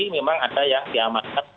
memang ada yang diamankan